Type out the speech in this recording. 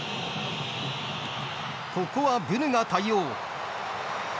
ここはブヌが対応。